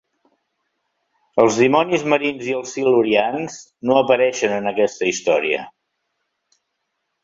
Els Dimonis Marins i els Silurians no apareixen en aquesta història.